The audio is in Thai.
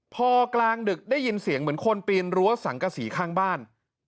พอกลางดึกได้ยินเสียงเหมือนคนปีนรั้วสังกษีข้างบ้าน